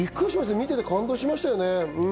見てて感動しました。